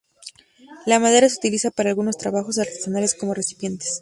La madera se utiliza para algunos trabajos artesanales como recipientes.